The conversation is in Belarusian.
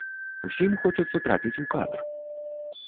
Усім хочацца трапіць у кадр.